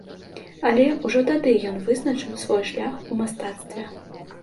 Але ўжо тады ён вызначыў свой шлях у мастацтве.